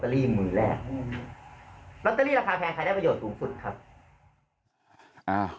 รอเตอรี่ราคาแพงใครได้ประโยชน์สูงสุดครับ